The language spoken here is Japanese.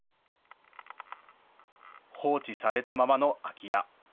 放置されたままの空き家。